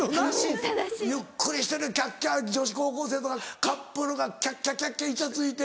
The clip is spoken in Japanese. ゆっくりしてるキャッキャ女子高校生とかカップルがキャッキャキャッキャイチャついて。